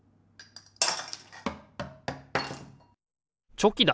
チョキだ！